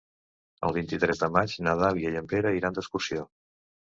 El vint-i-tres de maig na Dàlia i en Pere iran d'excursió.